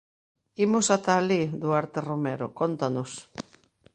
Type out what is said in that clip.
Imos ata alí, Duarte Romero, cóntanos.